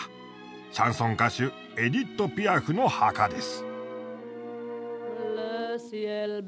シャンソン歌手エディット・ピアフの墓です。